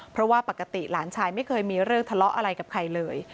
เพราะว่าปกติหลานชายไม่เคยมีเรื่องทะเลาะอะไรกับใครเลย